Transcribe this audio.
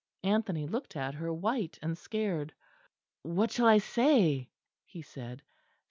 Anthony looked at her, white and scared. "What shall I say?" he said.